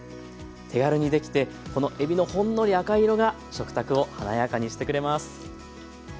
手軽にできてこのえびのほんのり赤色が食卓を華やかにしてくれます。